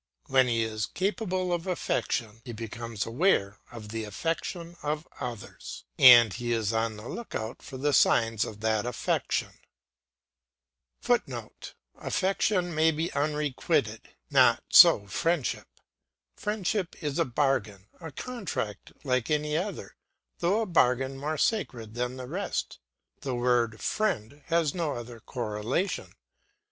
When he becomes capable of affection, he becomes aware of the affection of others, [Footnote: Affection may be unrequited; not so friendship. Friendship is a bargain, a contract like any other; though a bargain more sacred than the rest. The word "friend" has no other correlation.